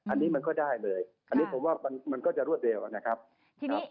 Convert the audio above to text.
อันนี้มันก็ได้เลยอันนี้ผมว่ามันก็จะรวดเร็วนะครับ